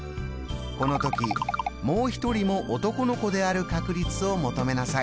この時もう１人も男の子である確率を求めなさい。